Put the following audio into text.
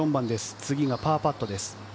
次がパーパットです。